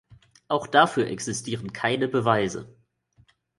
Auch dafür existieren keine Beweise.